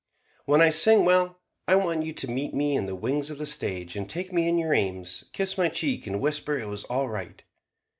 "When I sing well, I want you to meet me in the wings of the stage, and taking me in your aims, kiss my cheek, and whisper it was all right."